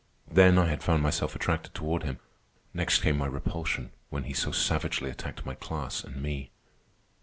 Then I had found myself attracted toward him. Next came my repulsion, when he so savagely attacked my class and me.